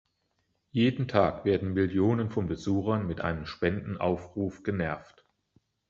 Jeden Tag werden Millionen von Besuchern mit einem Spendenaufruf genervt.